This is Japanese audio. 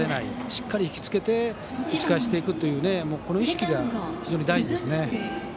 しっかり引き付け打ち返していくこの意識が大事ですね。